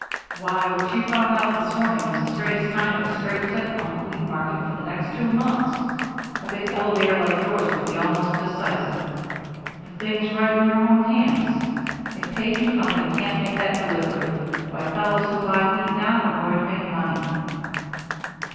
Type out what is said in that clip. "Why, what you found out this morning was the straightest kind of a straight tip on the wheat market for the next two months. A big elevator like yours will be almost decisive. The thing's right in your own hands. If Page & Company can't make that delivery, why, fellows who buy wheat now are going to make money."